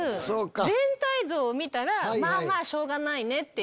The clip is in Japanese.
全体像を見たらまぁしょうがないねっていう。